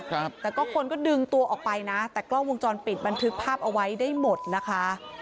เขาก็ดึงตัวออกไปแต่กล้องวงจรปิดถือภาพเอาไว้ได้หมดนะคะ